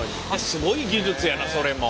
すごい技術やなそれも。